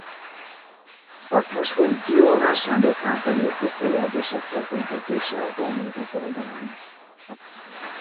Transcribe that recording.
Hasznos funkció a vásárlók által írt visszajelzések feltüntetése a termékek oldalán.